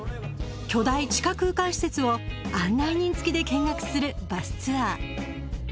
巨大地下空間施設を案内人付きで見学するバスツアー。